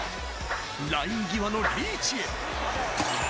ライン際のリーチへ。